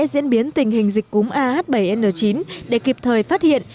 diễn biến tình hình dịch cúm ah bảy n chín để kịp thời phát hiện